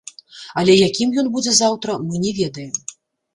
Але якім ён будзе заўтра мы не ведаем.